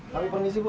kami permisi bu